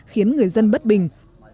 khiến người dân bất bình